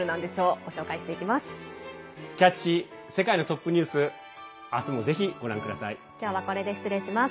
ご紹介していきます。